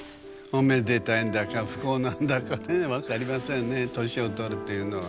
おめでたいんだか不幸なんだかねえ分かりませんね年を取るというのは。